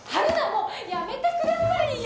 もうやめてくださいよ！